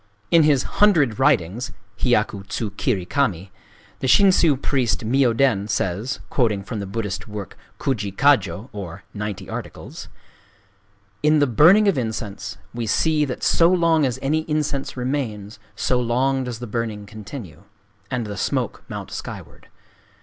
In his "Hundred Writings "(Hyaku tsū kiri kami), the Shinshū priest Myōden says, quoting from the Buddhist work Kujikkajō, or "Ninety Articles ":— "In the burning of incense we see that so long as any incense remains, so long does the burning continue, and the smoke mount skyward.